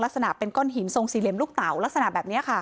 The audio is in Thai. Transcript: ลักษณะเป็นก้อนหินทรงสี่เหลี่ยมลูกเต่าลักษณะแบบนี้ค่ะ